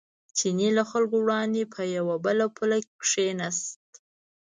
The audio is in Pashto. چیني له خلکو وړاندې په یوه پوله کېناست.